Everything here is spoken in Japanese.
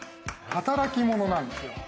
働き者なんですよ。